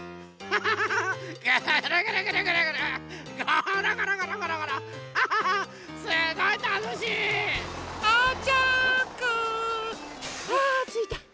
あついた。